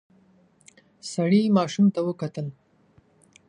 سړی ماشوم ته وکتل.